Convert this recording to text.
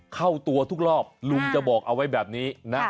เข้าตัวทุกรอบลุงจะบอกเอาไว้แบบนี้นะ